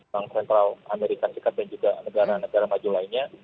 bank sentral amerika serikat dan juga negara negara maju lainnya